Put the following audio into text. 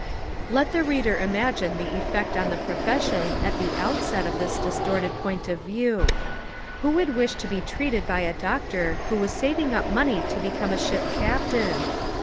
Let the reader Imagine the effect on the pro fession at the outset of this distorted point of view. Who would wish to be treated by a doctor who was saving up money to become a ship captain?